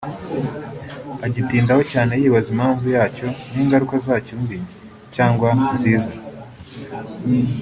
agitindaho cyane yibaza impamvu yacyo n’ingaruka zacyo mbi cyangwa nziza